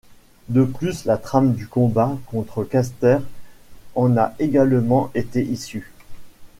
De plus, la trame du combat contre Caster en a également été issue.